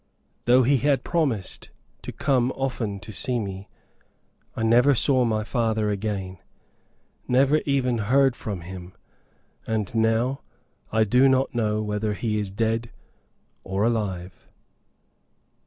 Though he had promised to come often to see me, I never saw my father again; never even heard from him; and now, I do not know whether he is dead or alive.